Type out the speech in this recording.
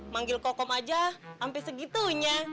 manggil kokom aja hampir segitunya